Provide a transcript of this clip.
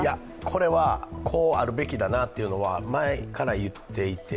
これはこうあるべきだなというのは前から言っていて、